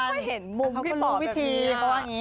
ไม่ค่อยเห็นมุมพี่ป่อแบบนี้